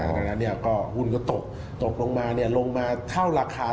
ดังนั้นก็หุ้นก็ตกตกลงมาลงมาเท่าราคา